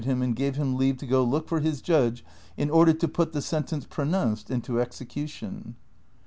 23 untied liini, and gave him leave to go look for liis judge in order to })ut the sentence pronoiuiced into execution.